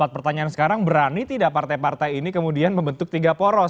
pertanyaan sekarang berani tidak partai partai ini kemudian membentuk tiga poros